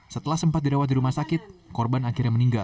setelah sempat dirawat di rumah sakit korban akhirnya meninggal